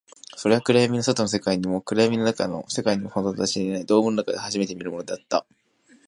それは暗闇の外の世界にも、暗闇の中の世界にも存在していない、ドームの中で初めて見るものだった